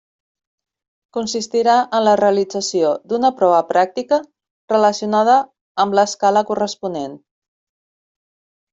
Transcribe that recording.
Consistirà en la realització d'una prova pràctica relacionada amb l'escala corresponent.